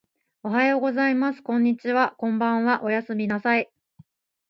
おはようございます。こんにちは。こんばんは。おやすみなさい。